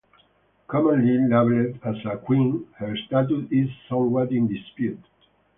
Commonly labeled as a "queen", her status is somewhat in dispute.